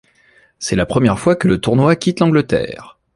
C'est la première fois que le tournoi quitte l'Angleterre.